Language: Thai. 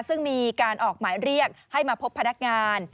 ซึ่งมีการออกหมายเรียกให้มาพบพนักงาน